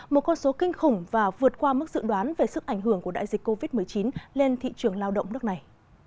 một con số kinh khủng và vượt qua mức dự đoán về sức ảnh hưởng của đại dịch covid một mươi chín lên thị trường lao động nước này